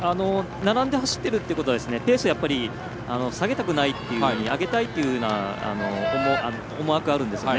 並んで走っているということはペース、下げたくないっていう上げたいって思惑があるんですよね。